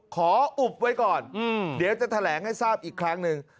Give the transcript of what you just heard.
ขออุบไว้ก่อนเดี๋ยวจะแถลงให้ทราบอีกครั้งหนึ่ง